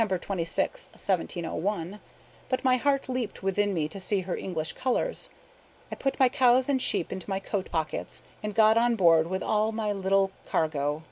26, 1701; but my heart leaped within me to see her English colors. I put my cows and sheep into my coat pockets, and got on board with all my little cargo.